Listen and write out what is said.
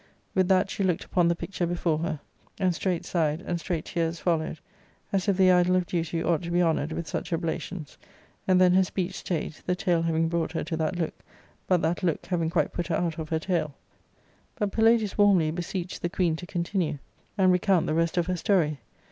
With that she looked upon the picture before her, and straight sighed, and straight tears followed, as if the idol of duty ought to be honoured with such oblations, and then her speech stayed, the tale having brought her to that look, but that look having quite put her out of her tale. But Palladius warmly beseeched the queen to, continue ARCADIA.—Book L S7 and recount the rest of her story.